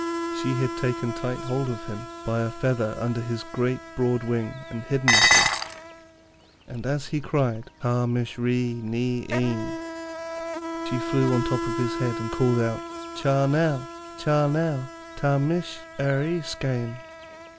She had taken tight hold of him by a feather under his great, broad wing and hidden herself. And as he cried 'Ta mish Ree ny Ein,' she flew on top of his head and called out, 'Cha nel, cha nel, ta mish er y skyn.'